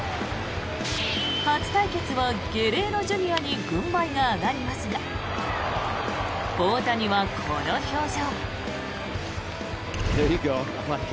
初対決はゲレーロＪｒ．に軍配が上がりますが大谷はこの表情。